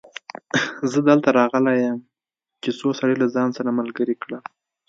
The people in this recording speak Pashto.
زه دلته راغلی يم چې څو سړي له ځانه سره ملګري کړم.